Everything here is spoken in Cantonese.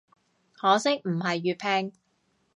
可惜唔係粵拼